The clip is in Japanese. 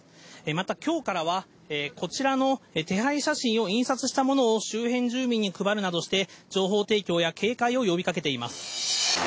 また今日からはこちらの手配写真を印刷したものを周辺住民に配るなどして情報提供や警戒を呼び掛けています。